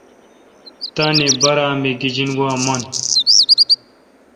تانی بارہ می گیجنگوا من